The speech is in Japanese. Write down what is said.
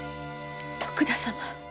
徳田様！